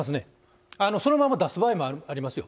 そのまま出す場合もありますよ。